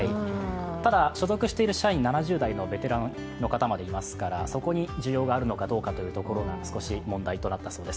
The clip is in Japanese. ただ、所属している社員７０代のベテランの方までいますからそこに需要があるのかどうかというところが問題となったそうです。